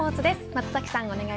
松崎さん